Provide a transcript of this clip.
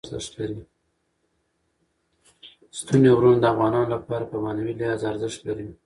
ستوني غرونه د افغانانو لپاره په معنوي لحاظ ارزښت لري.